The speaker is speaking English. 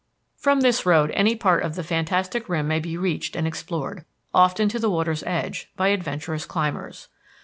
From this road any part of the fantastic rim may be reached and explored, often to the water's edge, by adventurous climbers.